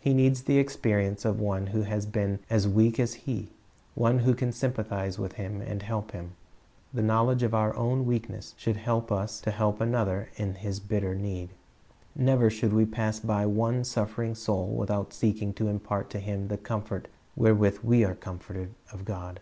He needs the expenence of one who has been as weak as he, one who ean sympathize with him and help him. The knowledge of our own weakness should help us to help another in his bitter need. Never 388 Christ's Object Lessons should we pass by one suffering soul without seeking to impart to him the comfort wherewith we are comforted of God.